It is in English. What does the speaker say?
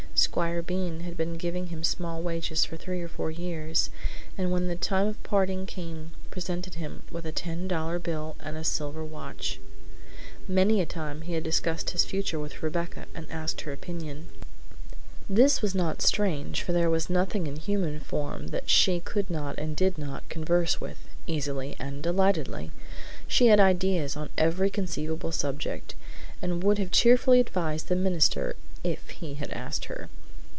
Squire Bean had been giving him small wages for three or four years, and when the time of parting came presented him with a ten dollar bill and a silver watch. Many a time had he discussed his future with Rebecca and asked her opinion. This was not strange, for there was nothing in human form that she could not and did not converse with, easily and delightedly. She had ideas on every conceivable subject, and would have cheerfully advised the minister if he had asked her.